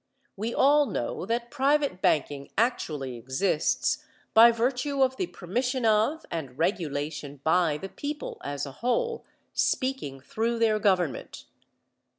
We all know that private banking actually exists by virtue of the permission of and regulation by the people as a whole, speaking through their government.